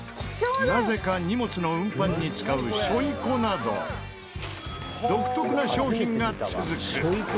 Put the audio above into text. なぜか荷物の運搬に使う背負子など独特な商品が続く。